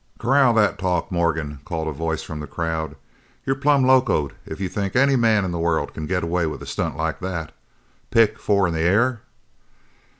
"Corral that talk, Morgan!" called a voice from the crowd, "you're plumb locoed if you think any man in the world can get away with a stunt like that! Pick four in the air!"